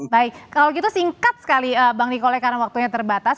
baik kalau gitu singkat sekali bang nikola karena waktunya terbatas